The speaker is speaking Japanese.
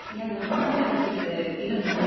考えただけで嫌ですね。